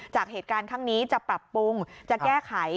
จากเหตุการณ์ข้างนี้จะปรับปรุงจะแก้ไข